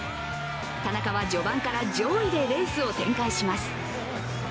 田中は序盤から上位でレースを展開します。